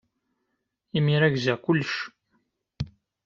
Imir-a, gziɣ kullec.